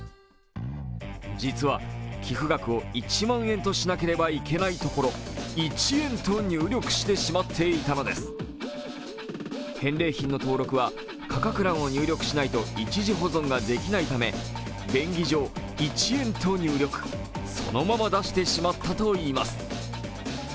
実は、寄付額を１万円としなければいけないところ、１円と入力してしまっていたのです返礼品の登録は価格欄を入力しないと一時保存ができないため、便宜上、１円と入力、そのまま出してしまったといいます。